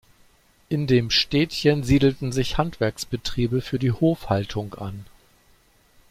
In dem Städtchen siedelten sich Handwerksbetriebe für die Hofhaltung an.